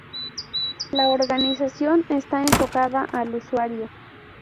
La organización está enfocada al usuario.